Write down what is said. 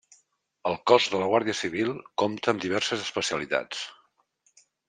El cos de la Guàrdia Civil compta amb diverses especialitats.